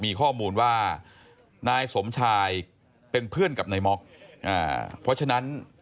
มีข้อมูลว่านายสมชายเป็นเพื่อนกับนายม็อกอ่าเพราะฉะนั้น